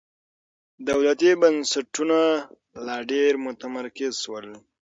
دولتي بنسټونه لا ډېر متمرکز شول.